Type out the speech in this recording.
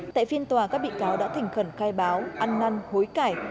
tại phiên tòa các bị cáo đã thành khẩn khai báo ăn năn hối cải